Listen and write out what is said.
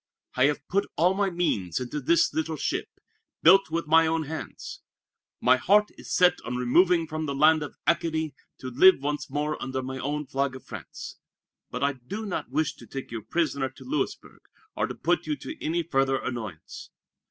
I have put all my means into this little ship, built with my own hands. My heart is set on removing from the land of Acadie, to live once more under my own flag of France. But I do not wish to take you a prisoner to Louisburg, or to put you to any further annoyance.